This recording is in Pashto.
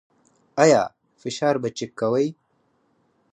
ایا فشار به چیک کوئ؟